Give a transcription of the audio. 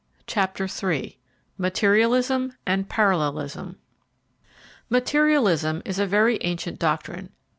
] CHAPTER III MATERIALISM AND PARALLELISM Materialism is a very ancient doctrine.